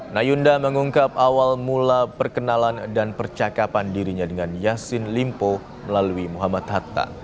nayunda mengungkap awal mula perkenalan dan percakapan dirinya dengan yassin limpo melalui muhammad hatta